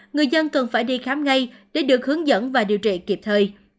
người dân cần phải đi khám ngay để được hướng dẫn và điều trị kịp thời